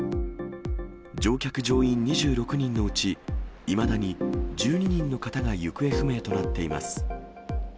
乗客・乗員２６人のうち、いまだに１２人の方が行方不明となっています。